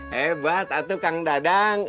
hebat atuh kang dadang